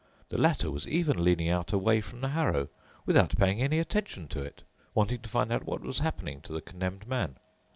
The latter was even leaning out away from the harrow, without paying any attention to it, wanting to find out what was happening to the Condemned Man.